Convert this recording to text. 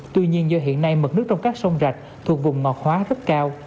tuy nhiên do hiện nay mực nước trong các sông rạch thuộc vùng ngọt hóa rất cao